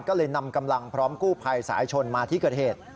ก็เลยนำกำลังพร้อมกู้ภัยสายชนมาที่เกิดเหตุ